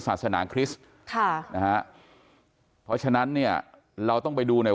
ศาสนาคริสต์ค่ะนะฮะเพราะฉะนั้นเนี่ยเราต้องไปดูหน่อย